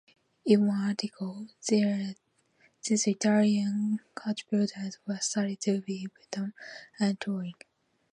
In one article, these Italian coachbuilders were stated to be Bertone and Touring.